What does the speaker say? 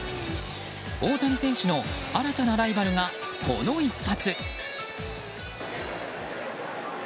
大谷選手の新たなライバルがこの一発。